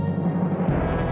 aku mau kemana